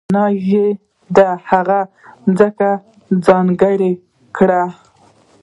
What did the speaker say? معنا یې ده هغه ځمکه ځانګړې کړه.